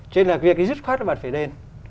cho nên là việc dứt khoát là bạn phải đền